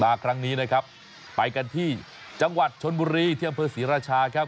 มาครั้งนี้นะครับไปกันที่จังหวัดชนบุรีที่อำเภอศรีราชาครับ